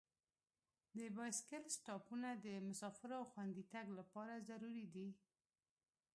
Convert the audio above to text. د بایسکل سټاپونه د مسافرو خوندي تګ لپاره ضروري دي.